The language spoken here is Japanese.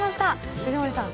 藤森さん